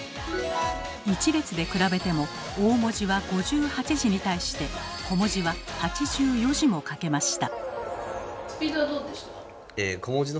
１列で比べても大文字は５８字に対して小文字は８４字も書けました。